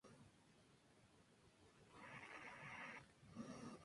El Estado liberal permite la libre expresión de opinión.